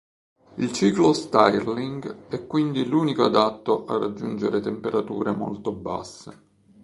Il ciclo Stirling è quindi l'unico adatto a raggiungere temperature molto basse.